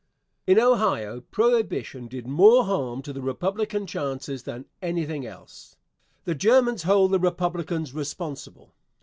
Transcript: Answer. In Ohio prohibition did more harm to the Republican chances than anything else. The Germans hold the Republicans responsible.